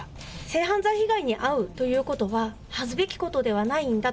性犯罪被害に遭うということは恥ずべきことではないんだ。